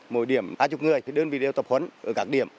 mỗi điểm hai mươi người thì đơn vị đều tập huấn ở các điểm